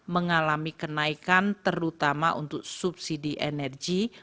mengalami kenaikan terutama untuk subsidi energi